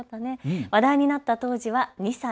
話題になった当時は２歳。